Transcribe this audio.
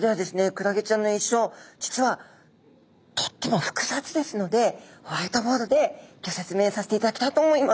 クラゲちゃんの一生実はとっても複雑ですのでホワイトボードでギョ説明させていただきたいと思います。